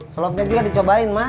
slopnya juga dicobain mak